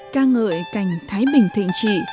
ca ngợi cảnh thái bình thịnh trị